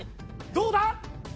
どうだ？